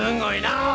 あ！